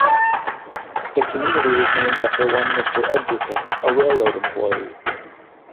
The community was named after one Mr. Edgerton, a railroad employee.